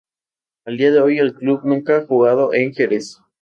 A día de hoy el club nunca ha jugado en Jerez.